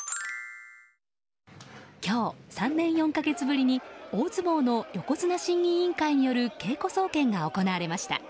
今日、３年４か月ぶりに大相撲の横綱審議委員会による稽古総見が行われました。